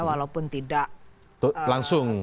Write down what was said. walaupun tidak langsung